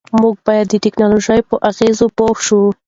موږ باید د ټیکنالوژۍ په اغېزو پوه شو.